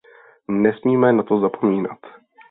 Nesmíme na to zapomínat.